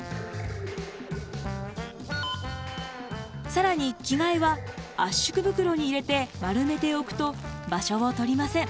更に着替えは圧縮袋に入れて丸めておくと場所を取りません。